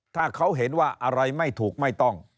ถ้าเขาเห็นว่าอะไรไม่ถูกไม่ต้อง